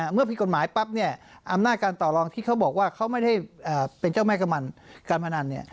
ผิดกฎหมายปั๊บเนี่ยอำนาจการต่อรองที่เขาบอกว่าเขาไม่ได้เป็นเจ้าแม่กำนันการพนัน